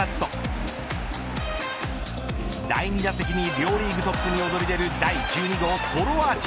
第２打席に両リーグトップに躍り出る第１２号ソロアーチ。